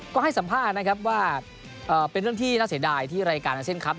ก็ให้สัมภาษณ์นะครับว่าเป็นเรื่องที่น่าเสียดายที่รายการอาเซียนครับ